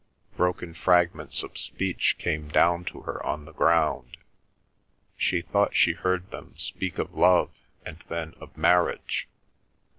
Broken fragments of speech came down to her on the ground. She thought she heard them speak of love and then of marriage.